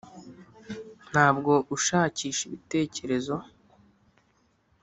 ntabwo ushakisha ibitekerezo.